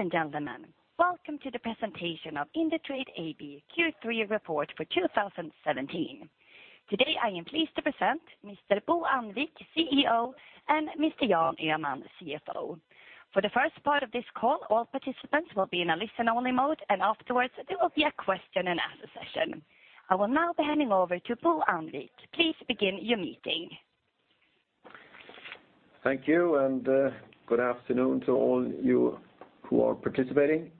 Ladies and gentlemen, welcome to the presentation of Indutrade AB Q3 report for 2017. Today, I am pleased to present Mr. Bo Annvik, CEO, and Mr. Jan Öhman, CFO. For the first part of this call, all participants will be in a listen-only mode. Afterwards, there will be a question and answer session. I will now be handing over to Bo Annvik. Please begin your meeting. Thank you. Good afternoon to all you who are participating.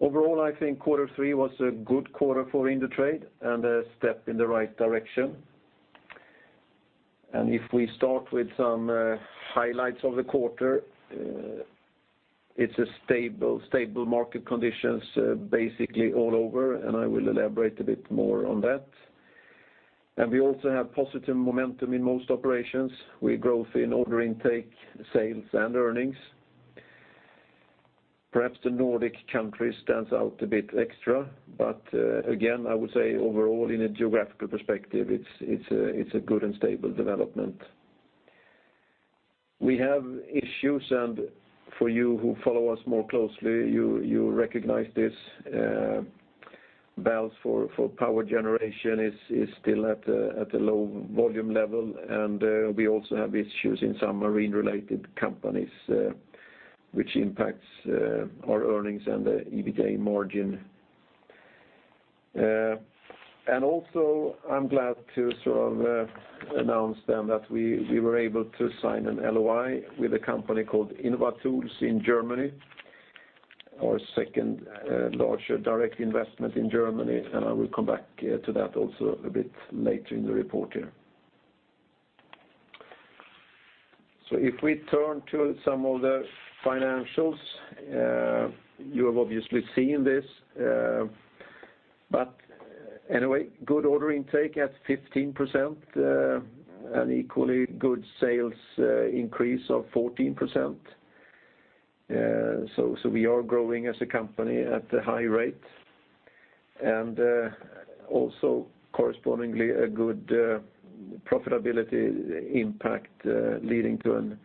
Overall, I think quarter three was a good quarter for Indutrade and a step in the right direction. If we start with some highlights of the quarter, it's stable market conditions basically all over, and I will elaborate a bit more on that. We also have positive momentum in most operations, with growth in order intake, sales, and earnings. Perhaps the Nordic countries stands out a bit extra, but again, I would say overall, in a geographical perspective, it's a good and stable development. We have issues, and for you who follow us more closely, you recognize this. Belts for power generation is still at a low volume level, and we also have issues in some marine-related companies which impacts our earnings and the EBITA margin. Also, I'm glad to announce then that we were able to sign an LOI with a company called Inovatools in Germany, our second-largest direct investment in Germany, and I will come back to that also a bit later in the report here. If we turn to some of the financials, you have obviously seen this, but anyway, good order intake at 15%, an equally good sales increase of 14%. We are growing as a company at a high rate. Also correspondingly, a good profitability impact, leading to an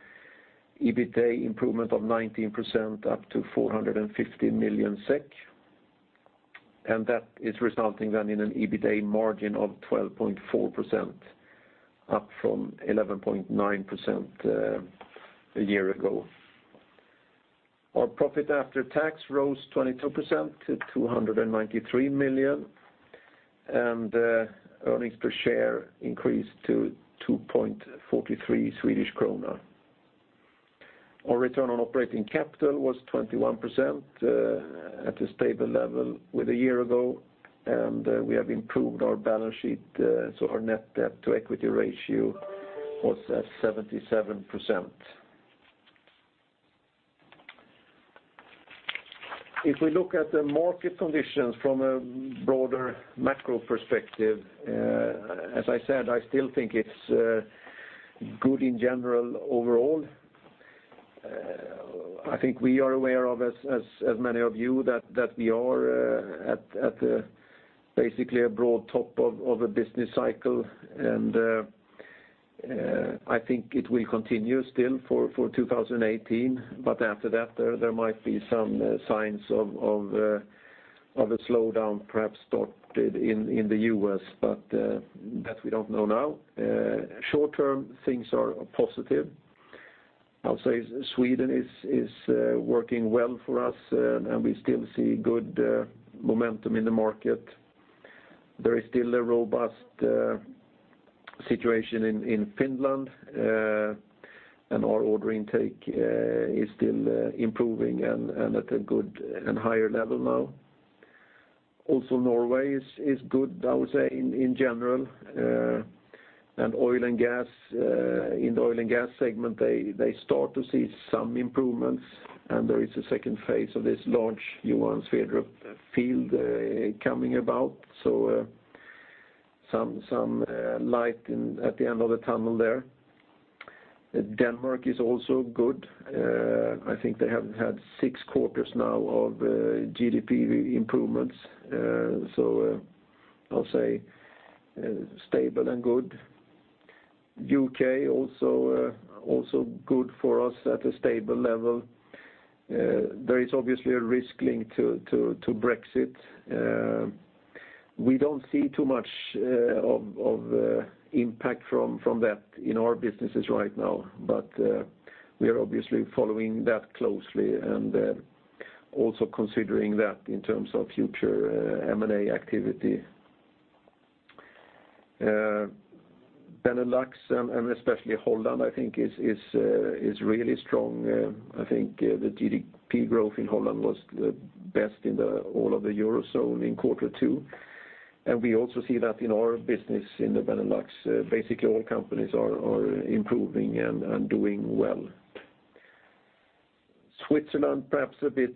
EBITA improvement of 19%, up to 450 million SEK. That is resulting in an EBITA margin of 12.4%, up from 11.9% a year ago. Our profit after tax rose 22% to 293 million, and earnings per share increased to 2.43 Swedish krona. Our return on operating capital was 21% at a stable level with a year ago, and we have improved our balance sheet, so our net debt to equity ratio was at 77%. If we look at the market conditions from a broader macro perspective, as I said, I still think it's good in general overall. I think we are aware of, as many of you, that we are at basically a broad top of a business cycle, and I think it will continue still for 2018. After that, there might be some signs of a slowdown perhaps started in the U.S., but that we don't know now. Short-term, things are positive. I'll say Sweden is working well for us, and we still see good momentum in the market. There is still a robust situation in Finland, our order intake is still improving and at a good and higher level now. Norway is good, I would say, in general. In the oil and gas segment, they start to see some improvements, there is a second phase of this large Johan Sverdrup field coming about, some light at the end of the tunnel there. Denmark is also good. I think they have had six quarters now of GDP improvements, I'll say stable and good. U.K. also good for us at a stable level. There is obviously a risk linked to Brexit. We don't see too much of impact from that in our businesses right now, but we are obviously following that closely and also considering that in terms of future M&A activity. Benelux, and especially Holland, I think is really strong. I think the GDP growth in Holland was the best in all of the eurozone in quarter two, we also see that in our business in the Benelux. Basically, all companies are improving and doing well. Switzerland, perhaps a bit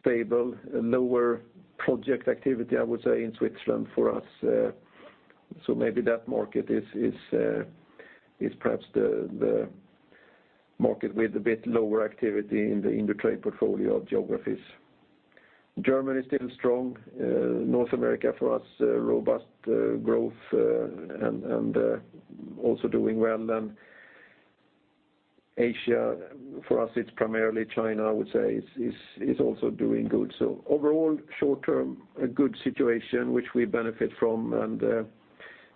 stable. Lower project activity, I would say, in Switzerland for us. Maybe that market is perhaps the market with a bit lower activity in the Indutrade portfolio of geographies. Germany is still strong. North America, for us, robust growth and also doing well. Asia, for us, it's primarily China, I would say, is also doing good. Overall, short term, a good situation, which we benefit from.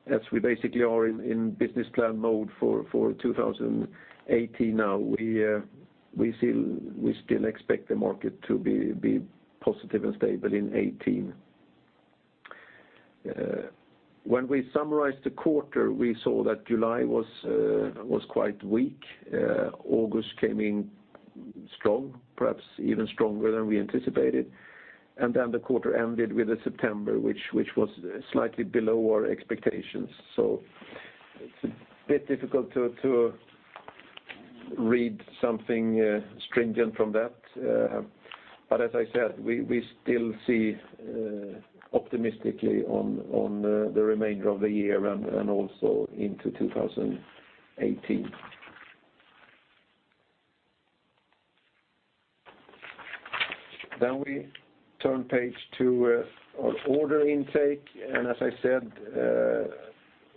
As we basically are in business plan mode for 2018 now, we still expect the market to be positive and stable in 2018. When we summarized the quarter, we saw that July was quite weak. August came in strong, perhaps even stronger than we anticipated. The quarter ended with September, which was slightly below our expectations. It's a bit difficult to read something stringent from that. As I said, we still see optimistically on the remainder of the year and also into 2018. We turn page to our order intake, as I said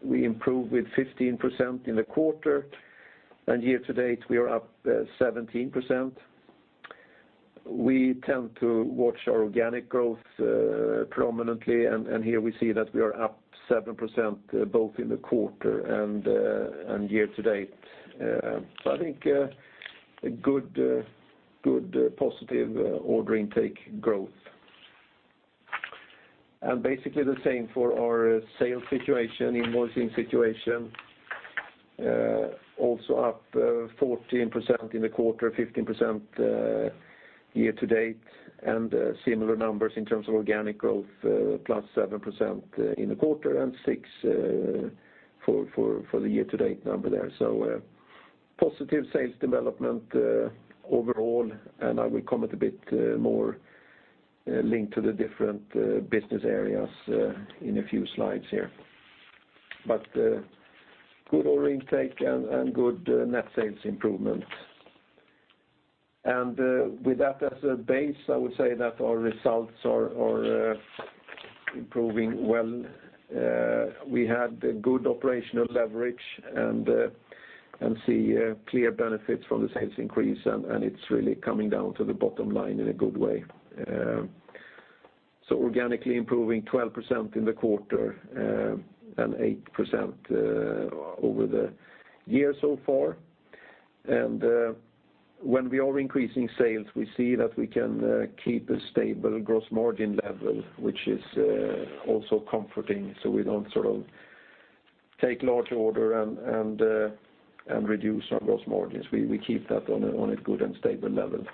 we improved with 15% in the quarter, year to date we are up 17%. We tend to watch our organic growth prominently, here we see that we are up 7% both in the quarter and year to date. I think a good positive order intake growth. Basically the same for our sales situation, invoicing situation, also up 14% in the quarter, 15% year to date, and similar numbers in terms of organic growth, plus 7% in the quarter and six for the year to date number there. Positive sales development overall, I will comment a bit more linked to the different business areas in a few slides here. Good order intake and good net sales improvement. With that as a base, I would say that our results are improving well. We had good operational leverage and see clear benefits from the sales increase, it's really coming down to the bottom line in a good way. Organically improving 12% in the quarter, and 8% over the year so far. When we are increasing sales, we see that we can keep a stable gross margin level, which is also comforting, we don't take large order and reduce our gross margins. We keep that on a good and stable level.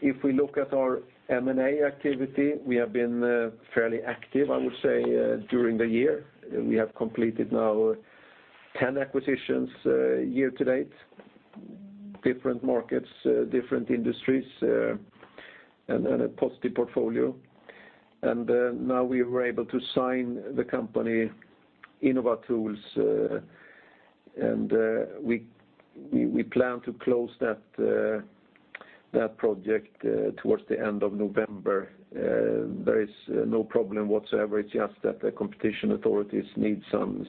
If we look at our M&A activity, we have been fairly active, I would say, during the year. We have completed now 10 acquisitions year to date. Different markets, different industries, and a positive portfolio. Now we were able to sign the company Inovatools, and we plan to close that project towards the end of November. There is no problem whatsoever. It's just that the competition authorities need some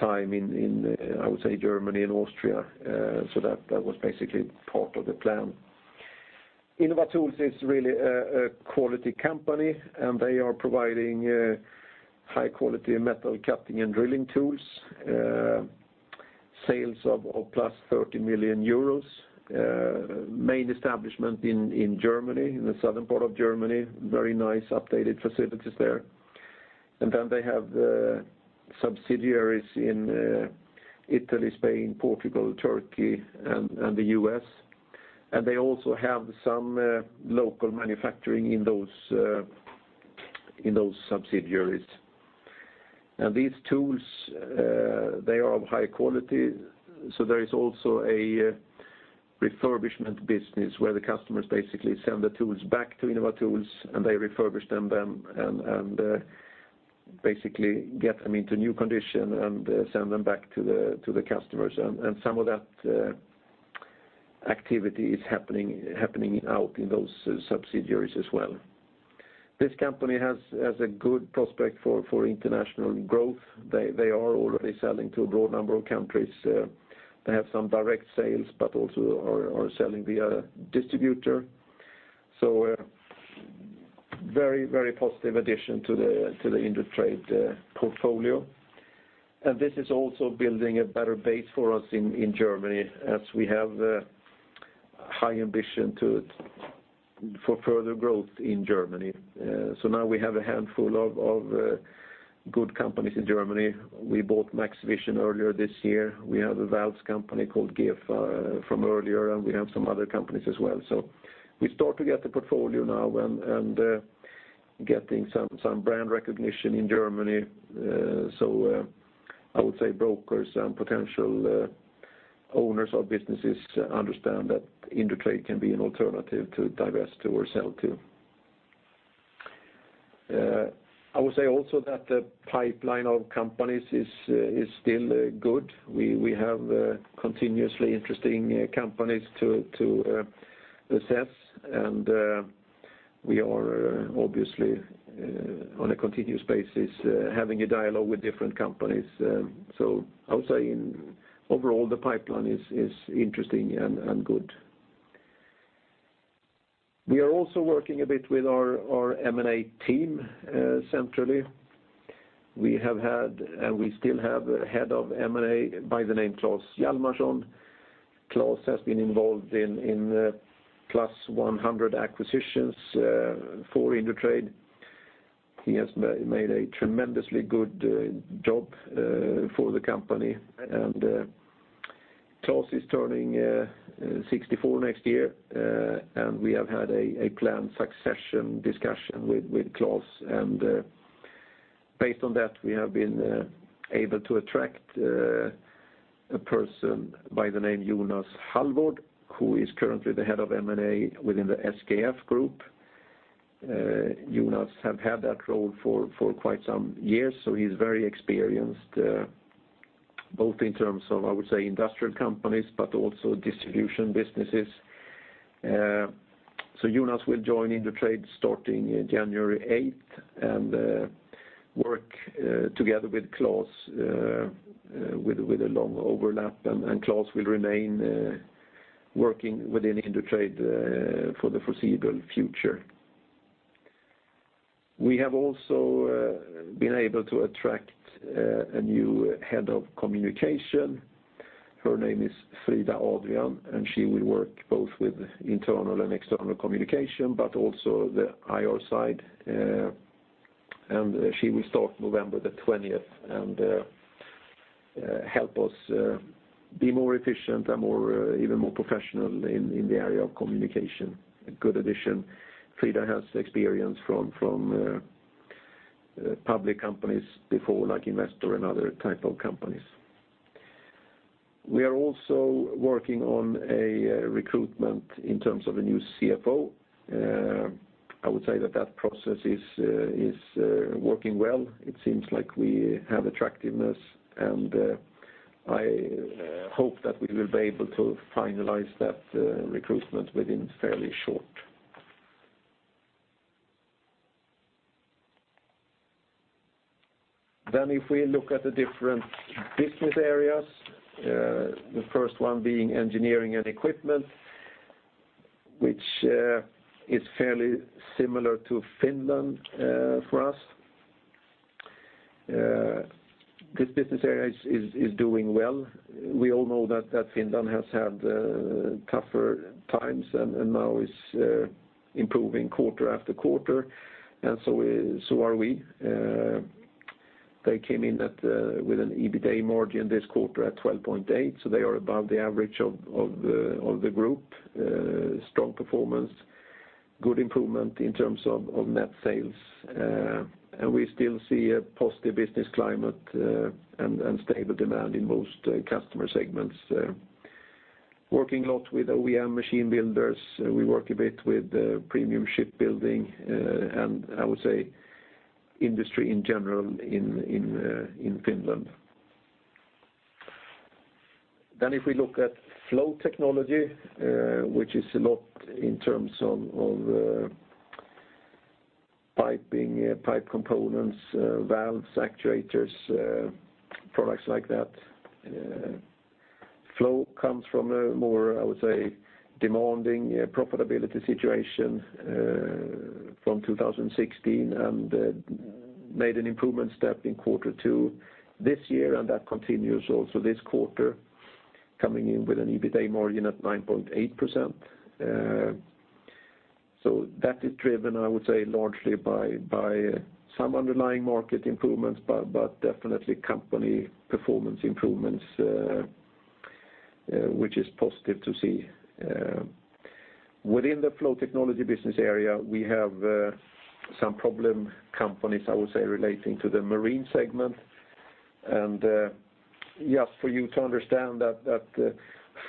time in, I would say, Germany and Austria. That was basically part of the plan. Inovatools is really a quality company, and they are providing high-quality metal cutting and drilling tools. Sales of plus €30 million, main establishment in the southern part of Germany, very nice updated facilities there. Then they have subsidiaries in Italy, Spain, Portugal, Turkey, and the U.S. They also have some local manufacturing in those subsidiaries. These tools, they are of high quality, so there is also a refurbishment business where the customers basically send the tools back to Inovatools and they refurbish them and basically get them into new condition and send them back to the customers. Some of that activity is happening out in those subsidiaries as well. This company has a good prospect for international growth. They are already selling to a broad number of countries. They have some direct sales, but also are selling via distributor. Very positive addition to the Indutrade portfolio. This is also building a better base for us in Germany as we have high ambition for further growth in Germany. Now we have a handful of good companies in Germany. We bought MaxxVision earlier this year. We have a valves company called GEFA from earlier, and we have some other companies as well. We start to get the portfolio now and getting some brand recognition in Germany. I would say brokers and potential owners of businesses understand that Indutrade can be an alternative to divest to or sell to. I would say also that the pipeline of companies is still good. We have continuously interesting companies to assess, and we are obviously on a continuous basis having a dialogue with different companies. I would say overall, the pipeline is interesting and good. We are also working a bit with our M&A team centrally. We still have a head of M&A by the name Klas Hjalmarsson. Klas has been involved in plus 100 acquisitions for Indutrade. He has made a tremendously good job for the company, Klas is turning 64 next year, we have had a planned succession discussion with Klas, based on that, we have been able to attract a person by the name Jonas Halldorf, who is currently the Head of M&A within the SKF group. Jonas have had that role for quite some years, so he's very experienced, both in terms of, I would say, industrial companies, but also distribution businesses. Jonas will join Indutrade starting January 8th and work together with Klas with a long overlap, and Klas will remain working within Indutrade for the foreseeable future. We have also been able to attract a new head of communication. Her name is Frida Adrian, and she will work both with internal and external communication, but also the IR side. She will start November 20th and help us be more efficient and even more professional in the area of communication. A good addition. Frida has experience from public companies before, like Investor and other type of companies. We are also working on a recruitment in terms of a new CFO. I would say that process is working well. It seems like we have attractiveness, and I hope that we will be able to finalize that recruitment within fairly short. If we look at the different business areas, the first one being Engineering and Equipment, which is fairly similar to Finland for us. This business area is doing well. We all know that Finland has had tougher times and now is improving quarter after quarter, so are we. They came in with an EBITA margin this quarter at 12.8%, they are above the average of the group. Strong performance, good improvement in terms of net sales. We still see a positive business climate and stable demand in most customer segments. Working a lot with OEM machine builders, we work a bit with premium shipbuilding and I would say industry in general in Finland. If we look at Flow Technology, which is a lot in terms of piping, pipe components, valves, actuators, products like that. Flow comes from a more, I would say, demanding profitability situation from 2016 and made an improvement step in quarter 2 this year, that continues also this quarter, coming in with an EBITA margin at 9.8%. That is driven, I would say, largely by some underlying market improvements, but definitely company performance improvements, which is positive to see. Within the flow technology business area, we have some problem companies, I would say, relating to the marine segment. Just for you to understand that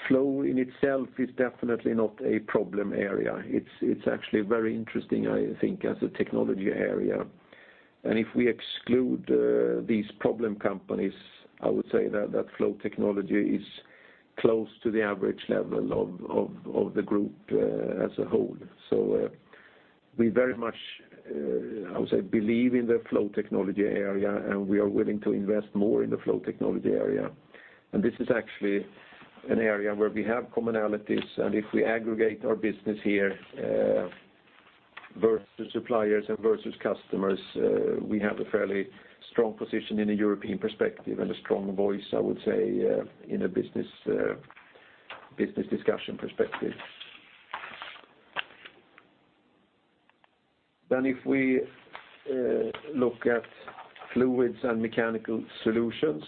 flow in itself is definitely not a problem area. It's actually very interesting, I think, as a technology area. If we exclude these problem companies, I would say that flow technology is close to the average level of the group as a whole. We very much, I would say, believe in the flow technology area, and we are willing to invest more in the flow technology area. This is actually an area where we have commonalities, and if we aggregate our business here versus suppliers and versus customers, we have a fairly strong position in a European perspective and a strong voice, I would say, in a business discussion perspective. If we look at fluids and mechanical solutions,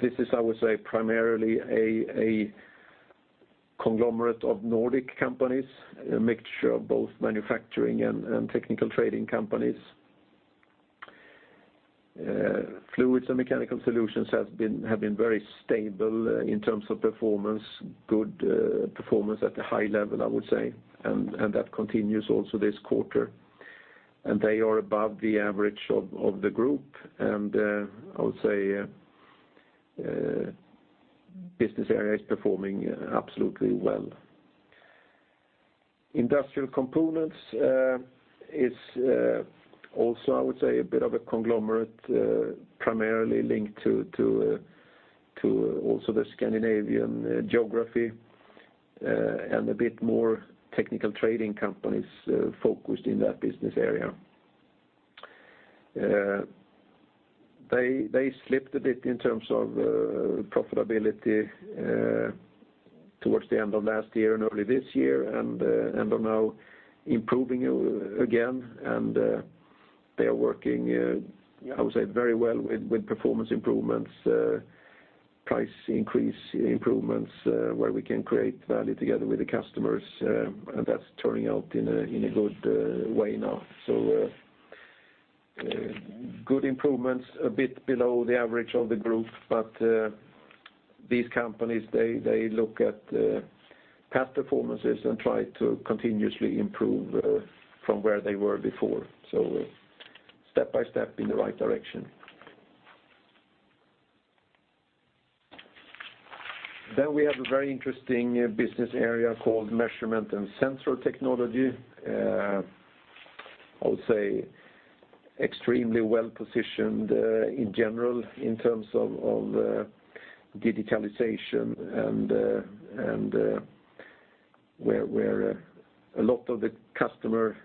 this is, I would say, primarily a conglomerate of Nordic companies, a mixture of both manufacturing and technical trading companies. Fluids and Mechanical Solutions have been very stable in terms of performance, good performance at a high level, I would say, that continues also this quarter. They are above the average of the group, and I would say, business area is performing absolutely well. Industrial components is also, I would say, a bit of a conglomerate, primarily linked to also the Scandinavian geography, a bit more technical trading companies focused in that business area. They slipped a bit in terms of profitability towards the end of last year and early this year, are now improving again. They are working very well with performance improvements, price increase improvements, where we can create value together with the customers. That's turning out in a good way now. Good improvements a bit below the average of the group, but these companies, they look at past performances and try to continuously improve from where they were before. Step by step in the right direction. We have a very interesting business area called Measurement and Sensor Technology. I would say extremely well-positioned in general in terms of digitalization and where a lot of the customer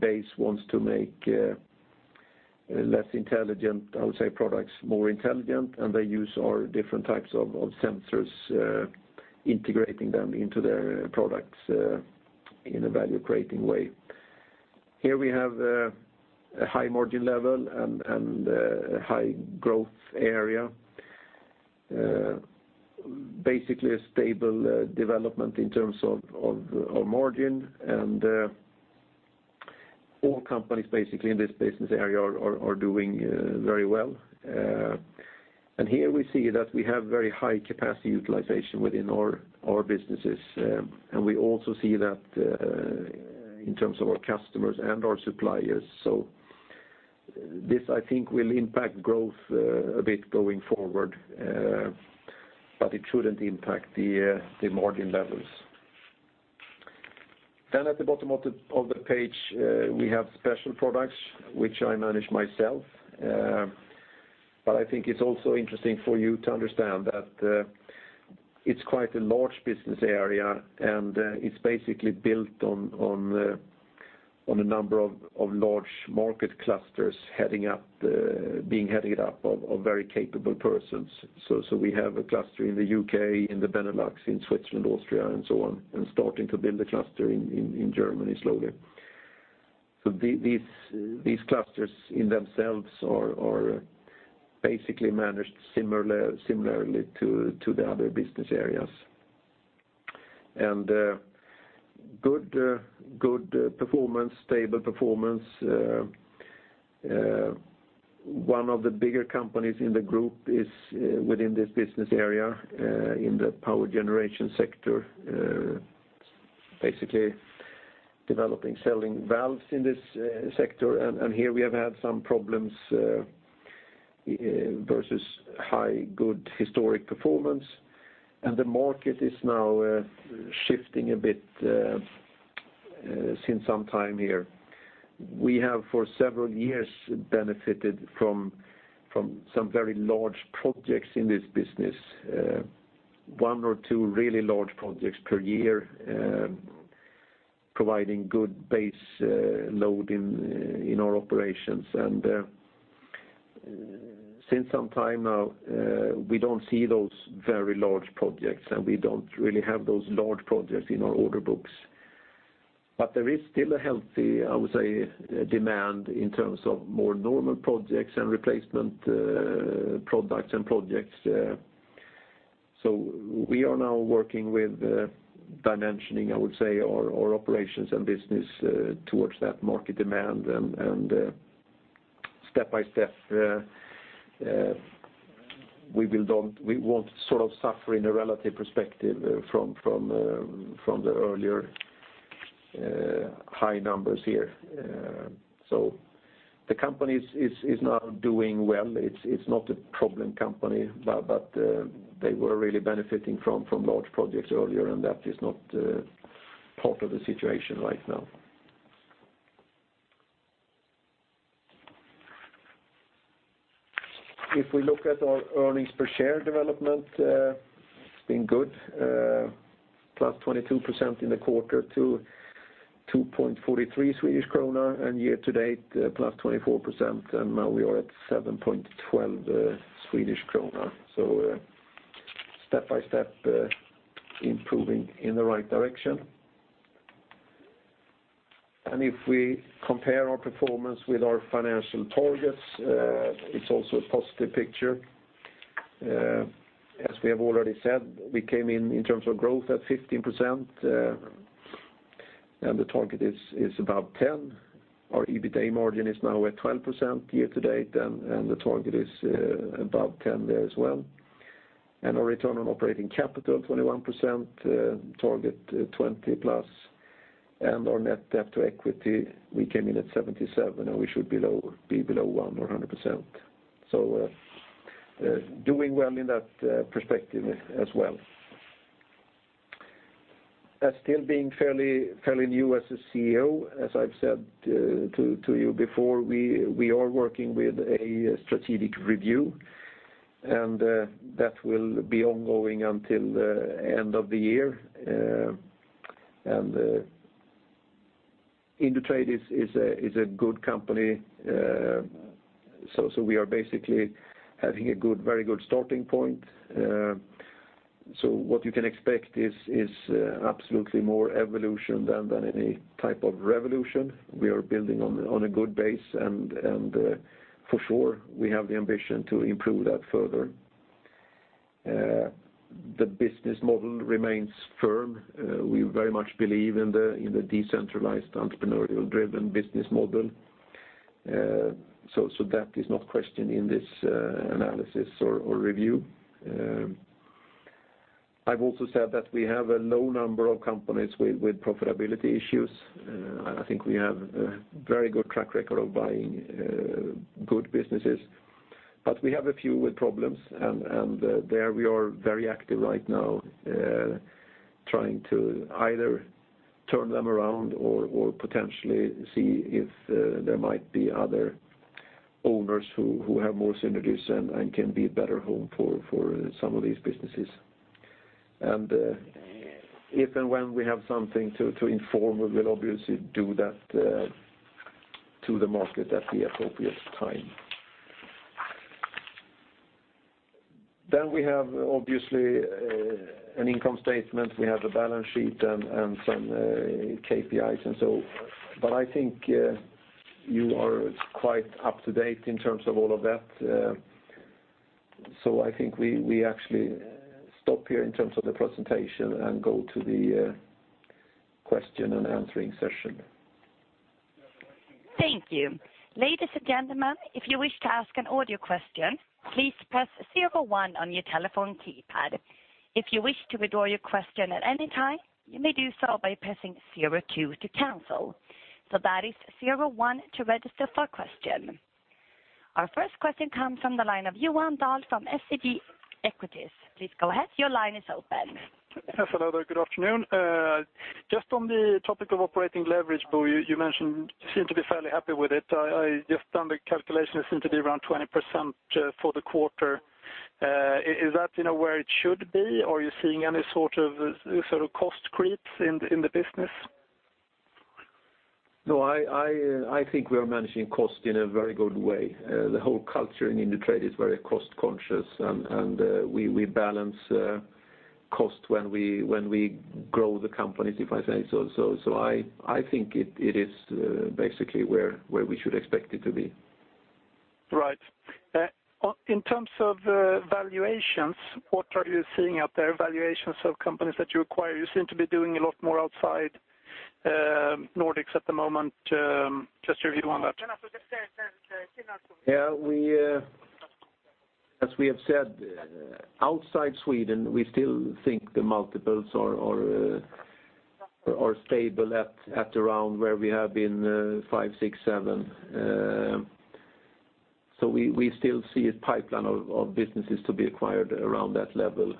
base wants to make less intelligent products more intelligent. They use our different types of sensors, integrating them into their products in a value-creating way. Here we have a high margin level and a high-growth area. Basically a stable development in terms of margin. All companies basically in this business area are doing very well. Here we see that we have very high capacity utilization within our businesses. We also see that in terms of our customers and our suppliers. This, I think, will impact growth a bit going forward, but it shouldn't impact the margin levels. At the bottom of the page, we have Special Products which I manage myself. I think it's also interesting for you to understand that it's quite a large business area, and it's basically built on a number of large market clusters being headed up of very capable persons. We have a cluster in the U.K., in the Benelux, in Switzerland, Austria, and so on. Starting to build a cluster in Germany slowly. These clusters in themselves are basically managed similarly to the other business areas. Good performance, stable performance. One of the bigger companies in the group is within this business area, in the power generation sector, basically developing, selling valves in this sector. Here we have had some problems versus high, good historic performance. The market is now shifting a bit since some time here. We have for several years benefited from some very large projects in this business. One or two really large projects per year, providing good base load in our operations. Since some time now, we don't see those very large projects, and we don't really have those large projects in our order books. There is still a healthy demand in terms of more normal projects and replacement products and projects. We are now working with dimensioning our operations and business towards that market demand, and step by step, we won't suffer in a relative perspective from the earlier high numbers here. The company is now doing well. It's not a problem company, but they were really benefiting from large projects earlier. That is not part of the situation right now. If we look at our earnings per share development, it's been good. Plus 22% in the quarter to 2.43 Swedish krona. Year to date, plus 24%. Now we are at 7.12 Swedish krona. Step by step, improving in the right direction. If we compare our performance with our financial targets, it's also a positive picture. As we have already said, we came in terms of growth at 15%. The target is above 10%. Our EBITA margin is now at 12% year to date. The target is above 10 there as well. Our return on operating capital, 21%, target 20+, and our net debt to equity, we came in at 77, and we should be below 1 or 100%. Doing well in that perspective as well. Still being fairly new as a CEO, as I've said to you before, we are working with a strategic review. That will be ongoing until the end of the year. Indutrade is a good company, so we are basically having a very good starting point. What you can expect is absolutely more evolution than any type of revolution. We are building on a good base, and for sure, we have the ambition to improve that further. The business model remains firm. We very much believe in the decentralized, entrepreneurial-driven business model. That is not questioned in this analysis or review. I've also said that we have a low number of companies with profitability issues. I think we have a very good track record of buying good businesses. We have a few with problems, and there we are very active right now, trying to either turn them around or potentially see if there might be other owners who have more synergies and can be a better home for some of these businesses. If and when we have something to inform, we will obviously do that to the market at the appropriate time. We have, obviously, an income statement. We have a balance sheet and some KPIs. I think you are quite up to date in terms of all of that. I think we actually stop here in terms of the presentation and go to the question and answering session. Thank you. Ladies and gentlemen, if you wish to ask an audio question, please press 01 on your telephone keypad. If you wish to withdraw your question at any time, you may do so by pressing 02 to cancel. That is 01 to register for a question. Our first question comes from the line of Johan Dahl from SEB Equities. Please go ahead. Your line is open. Yes, hello there. Good afternoon. Just on the topic of operating leverage, Bo, you mentioned you seem to be fairly happy with it. I just done the calculation. It seemed to be around 20% for the quarter. Is that where it should be? Are you seeing any sort of cost creeps in the business? No, I think we are managing cost in a very good way. The whole culture in Indutrade is very cost-conscious, we balance cost when we grow the companies, if I say so. I think it is basically where we should expect it to be. Right. In terms of valuations, what are you seeing out there? Valuations of companies that you acquire. You seem to be doing a lot more outside Nordics at the moment. Just your view on that. Yeah. As we have said, outside Sweden, we still think the multiples are stable at around where we have been, five, six, seven. We still see a pipeline of businesses to be acquired around that level.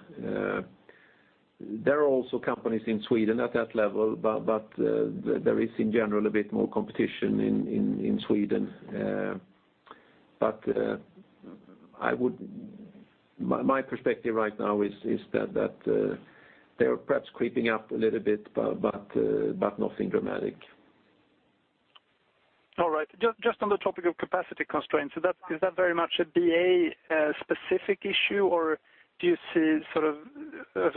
There are also companies in Sweden at that level, but there is in general a bit more competition in Sweden. My perspective right now is that they are perhaps creeping up a little bit, but nothing dramatic. All right. Just on the topic of capacity constraints, is that very much a BA-specific issue, or do you see a sort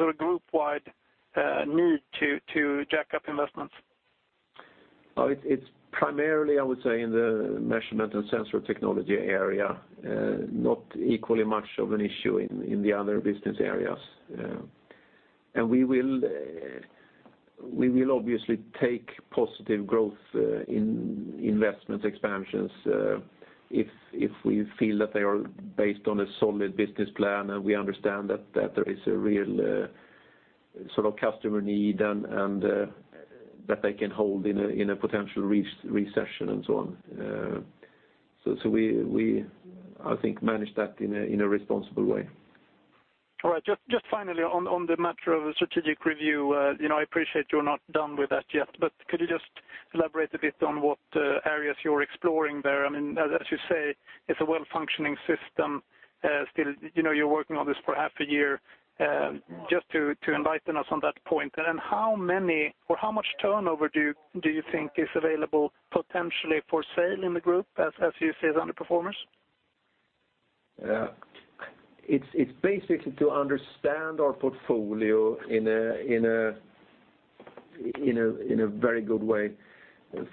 of group-wide need to jack up investments? It's primarily, I would say, in the Measurement and Sensor Technology area, not equally much of an issue in the other business areas. We will obviously take positive growth in investment expansions if we feel that they are based on a solid business plan and we understand that there is a real customer need and that they can hold in a potential recession and so on. We, I think, manage that in a responsible way. All right. Just finally, on the matter of a strategic review, I appreciate you're not done with that yet. Could you just elaborate a bit on what areas you're exploring there? As you say, it's a well-functioning system still. You're working on this for half a year. Just to enlighten us on that point. How many or how much turnover do you think is available potentially for sale in the group as you see as underperformers? It's basically to understand our portfolio in a very good way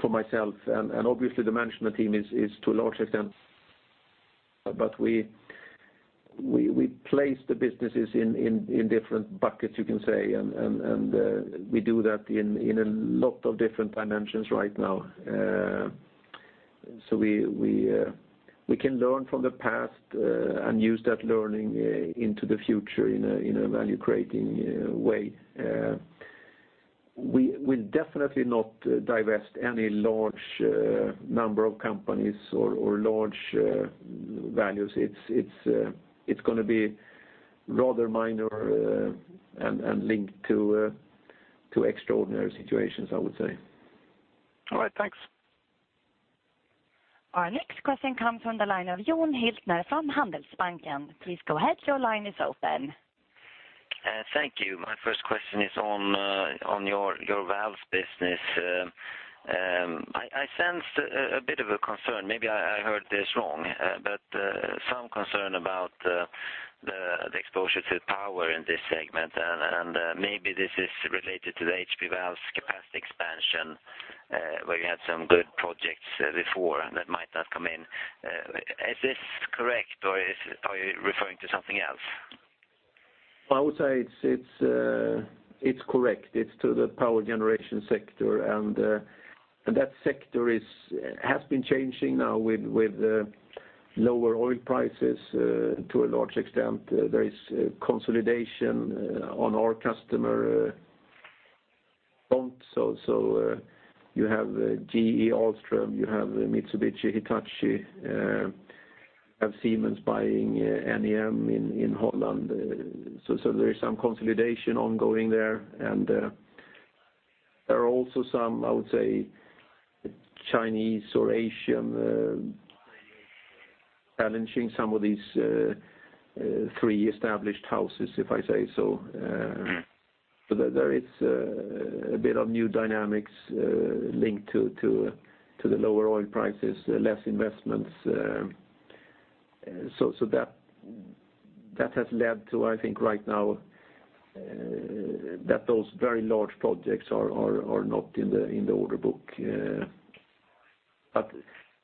for myself, obviously the management team is to a large extent. We place the businesses in different buckets, you can say. We do that in a lot of different dimensions right now. We can learn from the past and use that learning into the future in a value-creating way. We'll definitely not divest any large number of companies or large values. It's going to be rather minor and linked to extraordinary situations, I would say. All right. Thanks. Our next question comes from the line of Jon Hiltner from Handelsbanken. Please go ahead. Your line is open. Thank you. My first question is on your valves business. I sense a bit of a concern. Maybe I heard this wrong, but some concern about the exposure to power in this segment, and maybe this is related to the HP Valves capacity expansion, where you had some good projects before that might not come in. Is this correct, or are you referring to something else? I would say it's correct. It's to the power generation sector, that sector has been changing now with lower oil prices to a large extent. There is consolidation on our customer front. You have GE, Alstom, you have Mitsubishi, Hitachi, you have Siemens buying NEM in Holland. There is some consolidation ongoing there, and there are also some, I would say, Chinese or Asian challenging some of these three established houses, if I say so. There is a bit of new dynamics linked to the lower oil prices, less investments. That has led to, I think right now, that those very large projects are not in the order book.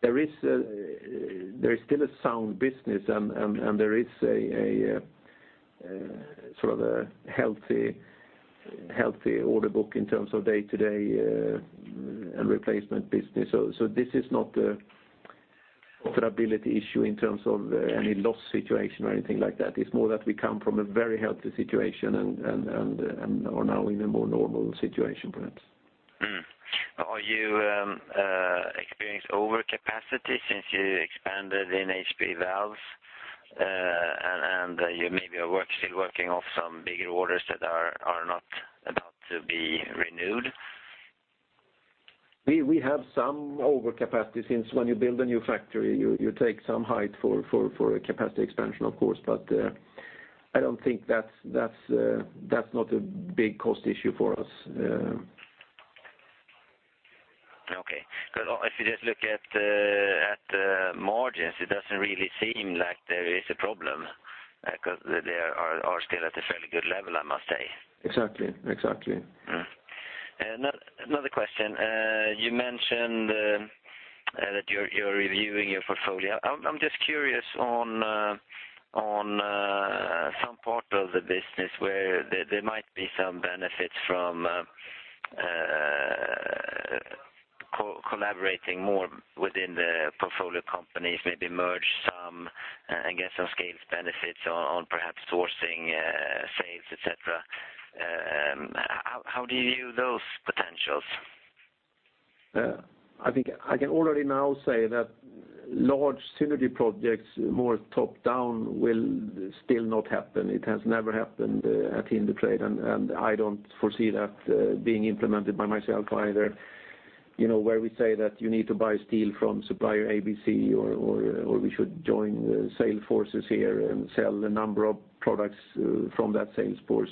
There is still a sound business and there is a healthy order book in terms of day-to-day and replacement business. This is not a profitability issue in terms of any loss situation or anything like that. It's more that we come from a very healthy situation and are now in a more normal situation, perhaps. Mm-hmm. Are you experiencing overcapacity since you expanded in HP Valves, and you maybe are still working off some bigger orders that are not about to be renewed? We have some overcapacity since when you build a new factory, you take some height for a capacity expansion, of course, but that's not a big cost issue for us. Okay. Because if you just look at the margins, it doesn't really seem like there is a problem, because they are still at a fairly good level, I must say. Exactly. Another question. You mentioned that you're reviewing your portfolio. I'm just curious on some part of the business where there might be some benefits from collaborating more within the portfolio companies, maybe merge some and get some scale benefits on perhaps sourcing, sales, et cetera. How do you view those potentials? I think I can already now say that large synergy projects, more top-down, will still not happen. It has never happened at Indutrade, and I don't foresee that being implemented by myself either. Where we say that you need to buy steel from supplier ABC, or we should join sales forces here and sell a number of products from that sales force.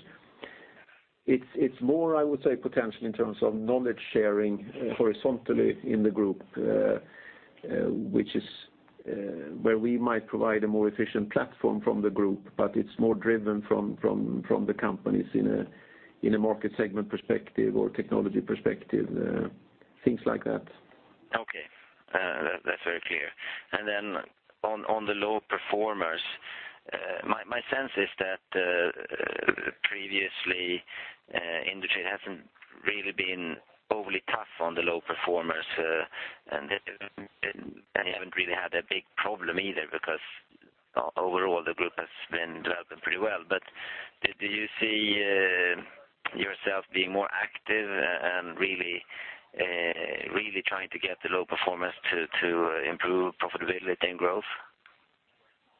It's more, I would say, potential in terms of knowledge sharing horizontally in the group, which is where we might provide a more efficient platform from the group, but it's more driven from the companies in a market segment perspective or technology perspective, things like that. Okay. That's very clear. On the low performers, my sense is that previously Indutrade hasn't really been overly tough on the low performers. They haven't really had a big problem either, because overall, the group has been developing pretty well. Do you see yourself being more active and really trying to get the low performers to improve profitability and growth?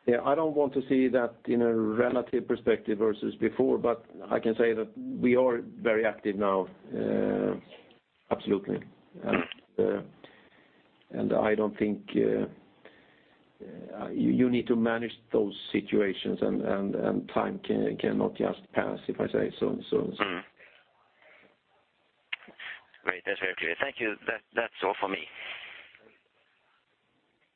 Yeah, I don't want to see that in a relative perspective versus before, but I can say that we are very active now. Absolutely. You need to manage those situations, and time cannot just pass, if I say so. Mm-hmm. Great. That's very clear. Thank you. That's all from me.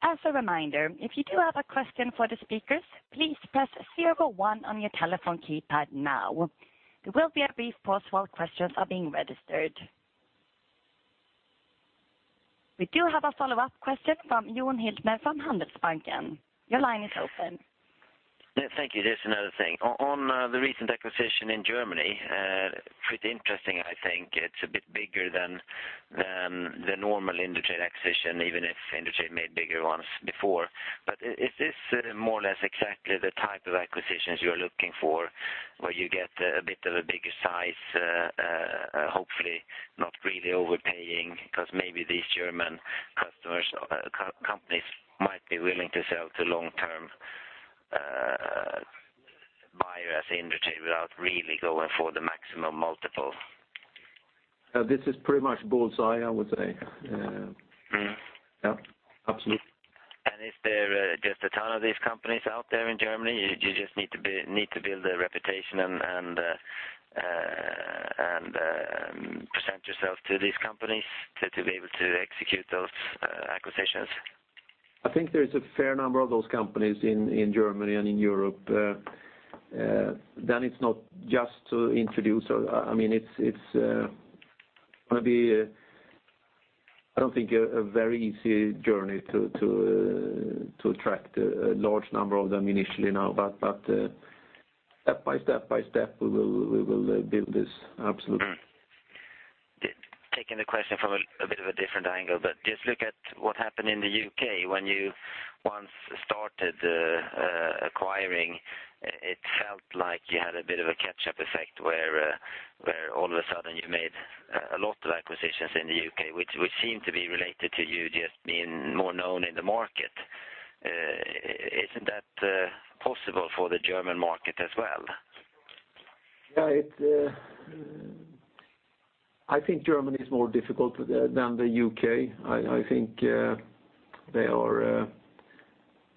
As a reminder, if you do have a question for the speakers, please press 01 on your telephone keypad now. There will be a brief pause while questions are being registered. We do have a follow-up question from Johan Hiltner from Handelsbanken. Your line is open. Thank you. Just another thing. On the recent acquisition in Germany, pretty interesting, I think. It's a bit bigger than the normal Indutrade acquisition, even if Indutrade made bigger ones before. Is this more or less exactly the type of acquisitions you're looking for, where you get a bit of a bigger size, hopefully not really overpaying, because maybe these German companies might be willing to sell to long-term buyers, Indutrade, without really going for the maximum multiple? This is pretty much bullseye, I would say. Yeah. Absolutely. Is there just a ton of these companies out there in Germany? You just need to build a reputation and present yourself to these companies to be able to execute those acquisitions? I think there is a fair number of those companies in Germany and in Europe. It's not just to introduce. It's going to be, I don't think, a very easy journey to attract a large number of them initially now, but step by step by step, we will build this. Absolutely. Taking the question from a bit of a different angle, just look at what happened in the U.K. when you once started acquiring, it felt like you had a bit of a catch-up effect where all of a sudden you made a lot of acquisitions in the U.K., which would seem to be related to you just being more known in the market. Isn't that possible for the German market as well? I think Germany is more difficult than the U.K. I think they are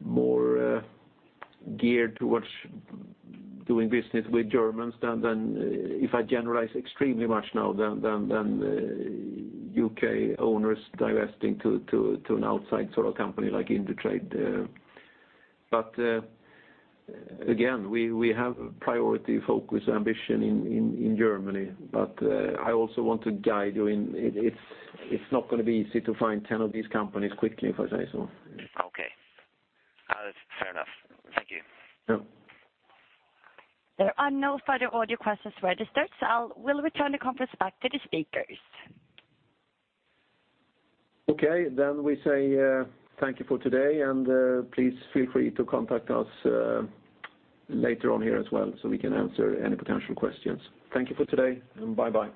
more geared towards doing business with Germans than, if I generalize extremely much now, than U.K. owners divesting to an outside sort of company like Indutrade. Again, we have priority focus ambition in Germany. I also want to guide you, it's not going to be easy to find 10 of these companies quickly if I say so. Okay. Fair enough. Thank you. Yeah. There are no further audio questions registered, so I will return the conference back to the speakers. Okay, we say thank you for today, and please feel free to contact us later on here as well so we can answer any potential questions. Thank you for today, and bye-bye.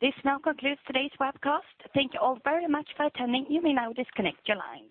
This now concludes today's webcast. Thank you all very much for attending. You may now disconnect your lines.